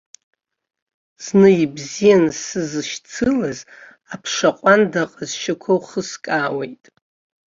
Зны ибзиан сзышьцылаз аԥша ҟәанда аҟазшьақәа ухыскаауеит.